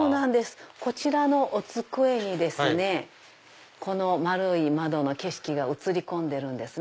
こちらのお机にこの円い窓の景色が映り込んでるんですね。